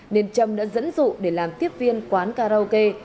nên trâm đã dẫn dụ để làm tiếp viên quán karaoke